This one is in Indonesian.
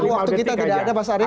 waktu kita tidak ada mas arya